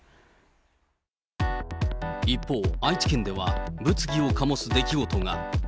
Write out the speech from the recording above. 一方、愛知県では物議を醸す出来事が。